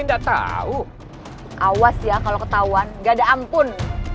nggak tahu awas ya kalau ketahuan gak ada ampun